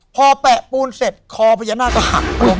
พอแปะปูนเสร็จคอพญานาคก็หักลง